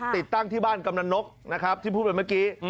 ติดตั้งที่บ้านกำหนังนกที่พูดเหมือนเมื่อกี้